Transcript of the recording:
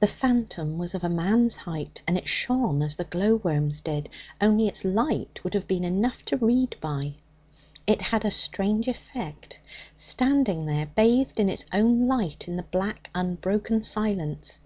The phantom was of a man's height, and it shone as the glow worms did, only its light would have been enough to read by. It had a strange effect, standing there bathed in its own light in the black unbroken silence.